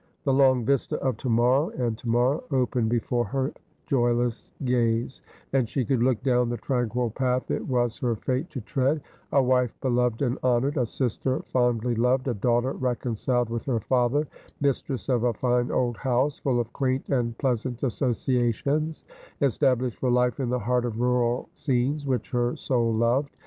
The long vista of to morrow and to morrow opened before her joyless gaze, and she could look down the tranquil path it was her fate to tread, a wife beloved and honoured, a sister fondly loved, a daughter reconciled with her father, mistress of a fine old house, full of quaint and plea sant associations, established for life in the heart of rural scenes which her soul loved.